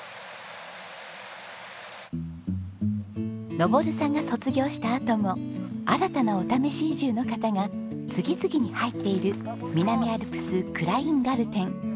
昇さんが卒業したあとも新たなお試し移住の方が次々に入っている南アルプスクラインガルテン。